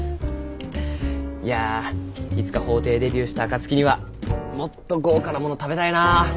いやいつか法廷デビューした暁にはもっと豪華なもの食べたいな。